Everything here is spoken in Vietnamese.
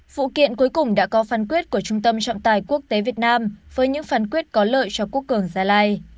vụ kiện cuối cùng đã có phán quyết của trung tâm trọng tài quốc tế việt nam với những phán quyết có lợi cho quốc cường gia lai